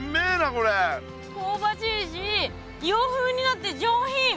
こうばしいし洋風になって上品。